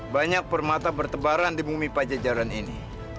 banyak permata bertebaran di bumi pajajaran ini